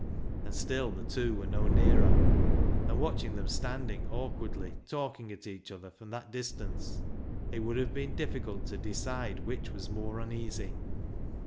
And still the two were no nearer, and watching them standing awkwardly talking at each other from that distance, it would have been difficult to decide which was more uneasy.